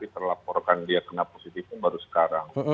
terlaporkan dia kena positifnya baru sekarang